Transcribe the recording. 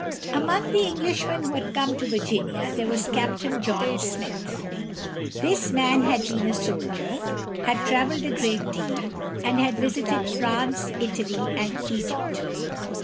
Among the Englishmen who had come to Virginia there was Captain John Smith. This man had been a soldier, had traveled a great deal, and had visited France, Italy, and E´gypt.